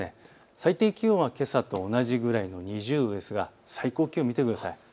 最低気温はけさと同じくらいの２０度ですが最高気温を見てください。